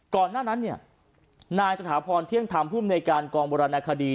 ก่อนหน้านั้นเนี่ยนายสถาพรเที่ยงธรรมภูมิในการกองโบราณคดี